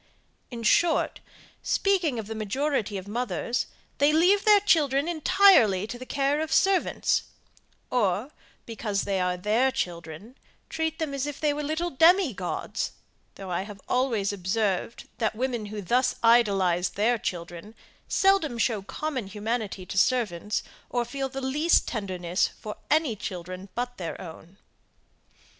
In short, speaking of the majority of mothers, they leave their children entirely to the care of servants: or, because they are their children, treat them as if they were little demi gods, though I have always observed, that the women who thus idolize their children, seldom show common humanity to servants, or feel the least tenderness for any children but their own.